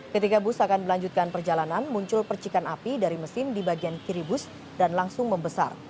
ketika bus akan melanjutkan perjalanan muncul percikan api dari mesin di bagian kiri bus dan langsung membesar